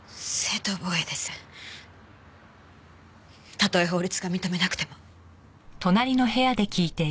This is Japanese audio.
たとえ法律が認めなくても。